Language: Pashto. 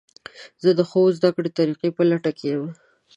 زه د ښو زده کړې طریقو په لټه کې یم.